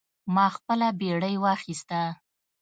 ما خپله بیړۍ واخیسته.